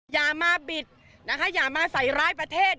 อย่ามาบิดนะคะอย่ามาใส่ร้ายประเทศ